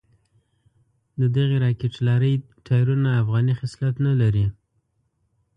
ددغې راکېټ لارۍ ټایرونه افغاني خصلت نه لري.